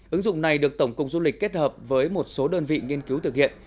ứng dụng này được tổng cục du lịch kết hợp với một số đơn vị nghiên cứu thực hiện